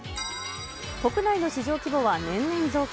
国内の市場規模は年々増加。